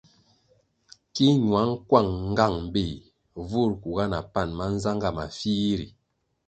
Ki ñuăng kuang nğang béh vur kuga na pan mánzangá mafih ri.